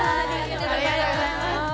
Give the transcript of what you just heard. ありがとうございます。